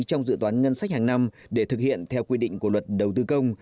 trong dự toán ngân sách hàng năm để thực hiện theo quy định của luật đầu tư công